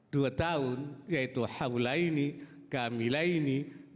dua tahun yaitu hawa lainnya kami lainnya